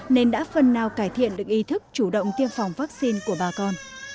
nên đã phần nào cải thiện được ý thức chủ động tiêm phòng vaccine của bà con